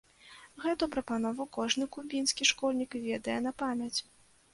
Гэту прамову кожны кубінскі школьнік ведае на памяць.